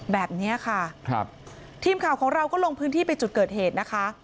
แบบนี้ค่ะครับทีมข่าวของเราก็ลงพื้นที่ไปจุดเกิดเหตุนะคะ